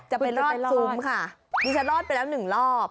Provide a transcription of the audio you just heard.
จะไปลอดซุ้มค่ะดิฉันลอดไปแล้ว๑รอบ